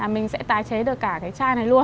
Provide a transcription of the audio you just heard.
mình sẽ tái chế được cả cái chai này luôn